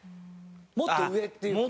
もっと上っていう事？